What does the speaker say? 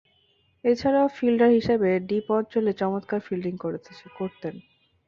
এছাড়াও, ফিল্ডার হিসেবে ডিপ অঞ্চলে চমৎকার ফিল্ডিং করতেন।